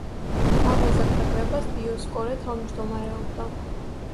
ავაზაკთა კრებას დიოსკორე თავმჯდომარეობდა.